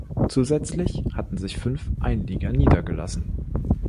Zusätzlich hatten sich fünf Einlieger niedergelassen.